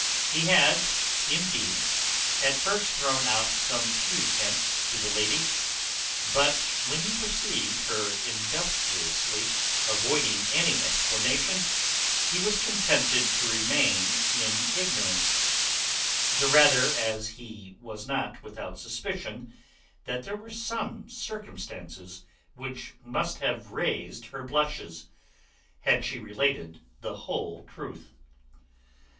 He had, indeed, at first thrown out some few hints to the lady; but, when he perceived her industriously avoiding any explanation, he was contented to remain in ignorance, the rather as he was not without suspicion that there were some circumstances which must have raised her blushes, had she related the whole truth.